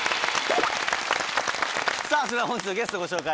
それでは本日のゲストご紹介します。